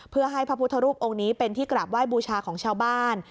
เพื่อให้พระพุทธรูปองค์นี้เป็นที่กราบไหว้บูชาของชาวบ้าน